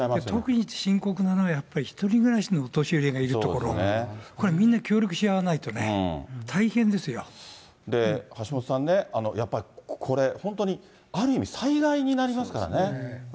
特に深刻なのは、やっぱり１人暮らしのお年寄りがいる所、これみんな協力し合わな橋下さんね、やっぱりこれ、本当にある意味、災害になりますからね。